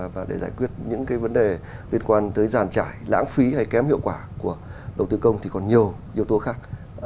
và để giải quyết những cái vấn đề liên quan tới giàn trải lãng phí hay kém hiệu quả của đầu tư công thì còn nhiều yếu tố khác